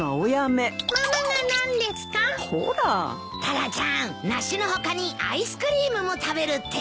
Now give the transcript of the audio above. タラちゃん梨の他にアイスクリームも食べるってよ。